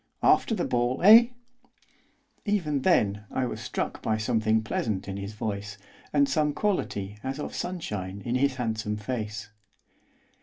'After the ball, eh?' Even then I was struck by something pleasant in his voice, and some quality as of sunshine in his handsome face.